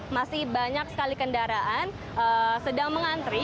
masih banyak sekali kendaraan sedang mengantri